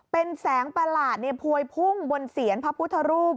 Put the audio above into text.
เป็นแสงประหลาดพวยพุ่งบนเสียนพระพุทธรูป